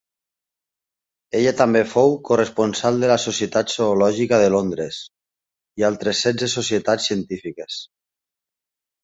Ella també fou corresponsal de la Societat Zoològica de Londres i altres setze societats científiques.